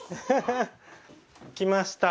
来ました。